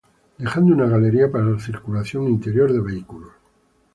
Dejando una galería para circulación interior de vehículos.